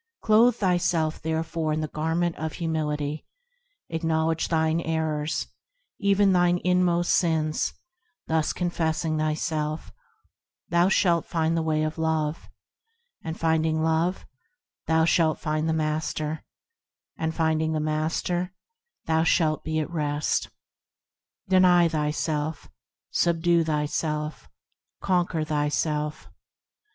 Clothe thyself, therefore, in the Garment of Humility; Acknowledge thine errors, Even thine inmost sins, Thus confessing thyself, thou shalt find the Way of Love, And finding Love thou shalt find the Master ; And finding the Master thou shalt be at rest. Deny thyself ; Subdue thyself ; Conquer thyself.